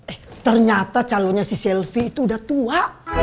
eh ternyata calonnya si selvi itu udah tua